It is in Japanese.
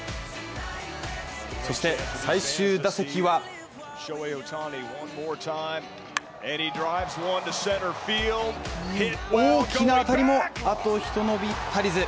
そして最終打席は大きな当たりも、あとひと伸び足りず。